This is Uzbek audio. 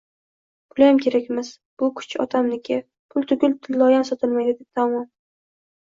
– Puliyam kerakmas! Bu kuchuk otamniki! Pul tugul, tillogayam sotilmaydi – gap tamom!